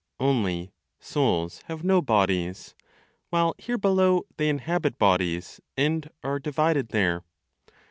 Only, souls have no bodies, while here below they inhabit bodies and are divided there.